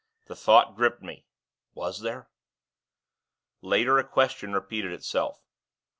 The thought gripped me was there? Later, a question repeated itself.